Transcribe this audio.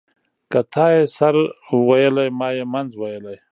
ـ که تا يې سر ويلى ما يې منځ ويلى.